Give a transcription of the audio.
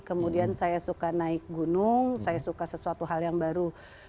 kemudian saya suka naik gunung saya suka sesuatu hal yang baru